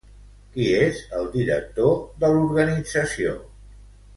Qui és el director de l'organització?